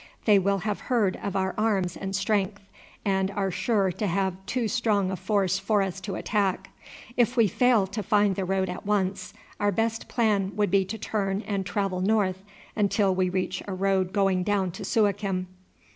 They will have heard of our arms and strength, and are sure to have too strong a force for us to attack. If we fail to find the road at once, our best plan would be to turn and travel north until we reach a road going down to Suakim."